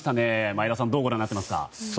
前田さんはどうご覧になっていますか？